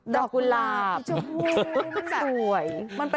ดอกกุหลาบพริชบุ้งมันแบบ